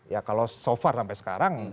ya kalau so far sampai sekarang